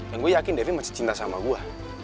yang gue yakin devi masih cinta sama gue